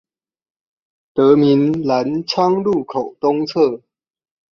德民藍昌路口東側